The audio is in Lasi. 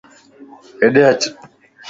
ھيڏي اچ